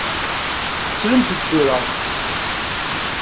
Slemt-d tura!